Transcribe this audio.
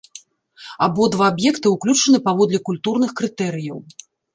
Абодва аб'екта ўключаны паводле культурных крытэрыяў.